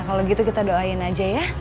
kalau gitu kita doain aja ya